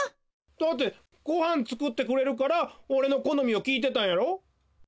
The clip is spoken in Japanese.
だってごはんつくってくれるからおれのこのみをきいてたんやろ？